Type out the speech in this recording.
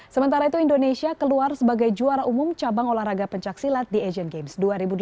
sementara itu indonesia keluar sebagai juara umum cabang olahraga pencaksilat di asian games dua ribu delapan belas